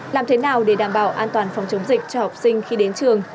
làm thế nào để đảm bảo an toàn phòng chống dịch cho học sinh khi đến trường